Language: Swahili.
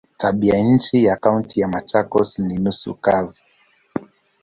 Tabianchi ya Kaunti ya Machakos ni nusu kavu.